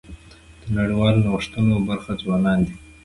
د نړیوالو نوښتونو برخه ځوانان دي.